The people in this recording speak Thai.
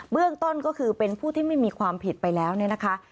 เรื่องต้นก็คือเป็นผู้ที่ไม่มีความผิดไปแล้วเนี่ยนะคะ